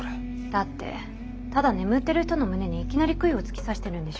だってただ眠ってる人の胸にいきなり杭を突き刺してるんでしょ？